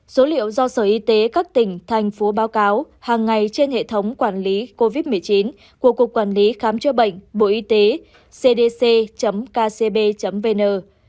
số liệu do sở y tế các tỉnh thành phố báo cáo hàng ngày trên hệ thống quản lý covid một mươi chín của cục quản lý khám chữa bệnh bộ y tế cdc kcb vn